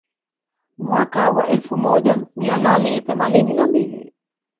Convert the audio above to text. Mwaka wa elfu moja mia nane themanini na mbili